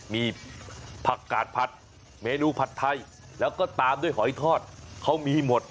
มีผักกาดผัดเมนูผัดไทยแล้วก็ตามด้วยหอยทอดเขามีหมด